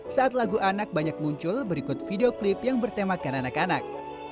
saat lagu anak banyak muncul berikut video klip yang bertemakan anak anak